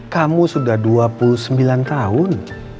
kamu sudah dua puluh sembilan tahun